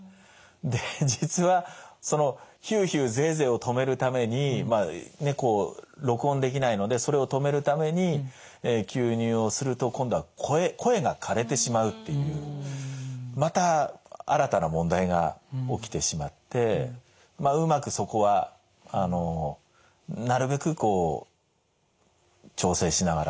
で実はそのヒューヒューゼーゼーを止めるためにまあ録音できないのでそれを止めるために吸入をすると今度は声がかれてしまうっていうまた新たな問題が起きてしまってまあうまくそこはなるべくこう調整しながらというか。